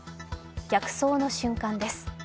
逆走の瞬間です。